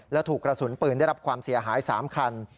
และถูกกระสุนปืนได้รับความเสียหาย๓คัน